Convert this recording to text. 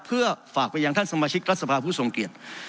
เพื่อฝากไปยังท่านสมาชิกรัฐสภาผู้ทรงเกียจ